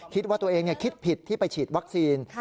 คิดว่าตัวเองคิดผิดที่ไปฉีดวัคซีน